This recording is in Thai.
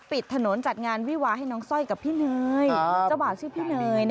ปิดถนนจัดงานวิวาให้น้องสร้อยกับพี่เนย